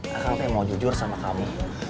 aku gak mau jujur sama kamu